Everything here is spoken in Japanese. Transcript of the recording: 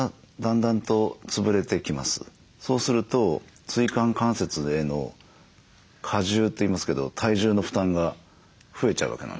そうすると椎間関節への過重といいますけど体重の負担が増えちゃうわけなんですね。